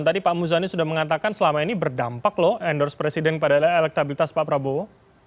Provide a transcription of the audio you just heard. tadi pak muzani sudah mengatakan selama ini berdampak loh endorse presiden pada elektabilitas pak prabowo